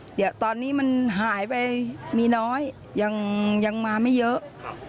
เดี๋ยวตอนนี้มันหายไปมีน้อยยังมาไม่เยอะ